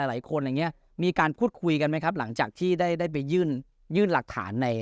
หลายคนอย่างเงี้ยมีการพูดคุยกันไหมครับหลังจากที่ได้ไปยื่นยื่นหลักฐานใน